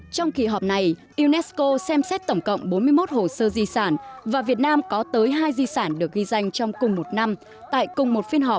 trong kỳ họp này unesco xem xét tổng cộng bốn mươi một hồ sơ di sản và việt nam có tới hai di sản được ghi danh trong cùng một năm tại cùng một phiên họp